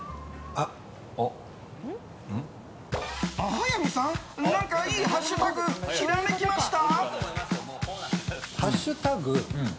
速水さん、何かいいハッシュタグひらめきました？